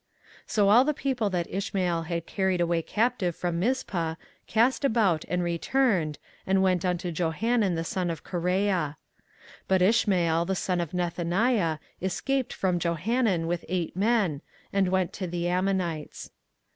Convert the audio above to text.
24:041:014 So all the people that Ishmael had carried away captive from Mizpah cast about and returned, and went unto Johanan the son of Kareah. 24:041:015 But Ishmael the son of Nethaniah escaped from Johanan with eight men, and went to the Ammonites.